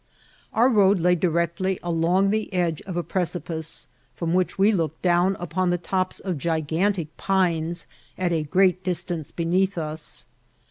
Our road lay di rectly along the edge of a precipice, from which we looked down upon the tops of gigantic pines at a great distance beneath us.